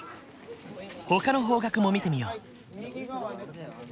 ほかの方角も見てみよう。